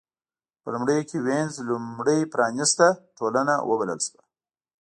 په لومړیو کې وینز لومړۍ پرانېسته ټولنه وبلل شوه.